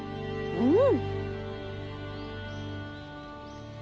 うん。